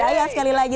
hari ayah sekali lagi